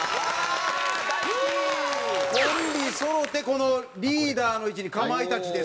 コンビそろってリーダーの位置にかまいたちですよ。